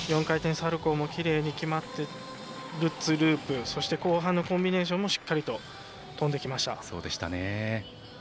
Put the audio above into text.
４回転サルコーもきれいに決まってルッツ、ループそして後半のコンビネーションもしっかりと跳んできました。